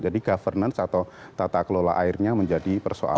jadi governance atau tata kelola airnya menjadi persoalan